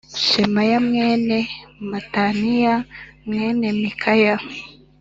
Shemaya mwene mataniya mwene mikaya